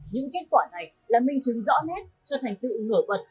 những kết quả này là minh chứng rõ nét cho thành tựu nửa vật